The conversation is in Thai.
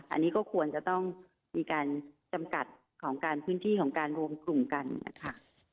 อันนี้ก็ควรจะต้องมีการจำกัดของการพื้นที่ของการรวมกลุ่มกันนะคะ